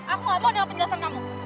aku gak mau adalah penjelasan kamu